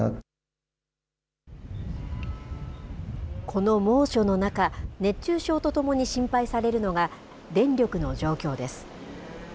この猛暑の中、熱中症とともに心配されるのが、電力の状況です。